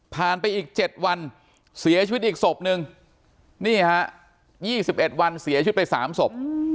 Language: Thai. ไปอีก๗วันเสียชีวิตอีกศพนึงนี่ฮะ๒๑วันเสียชีวิตไป๓ศพ